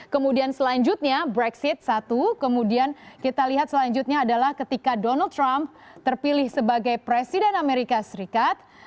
kemudian selanjutnya brexit satu kemudian kita lihat selanjutnya adalah ketika donald trump terpilih sebagai presiden amerika serikat